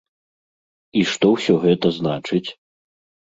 І што ўсё гэта значыць?